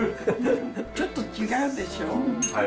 ちょっと違うでしょ。